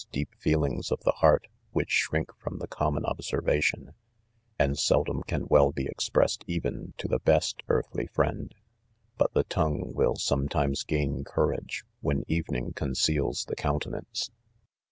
deep feelings, of the heart / which shrink from. the common observation, ;' and' seldom can well be ..expressed even to .the • best .earthly friend ; hut the tongue will some ; times gain courage when evening conceals the } countenance